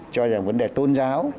cho rằng vấn đề tôn giáo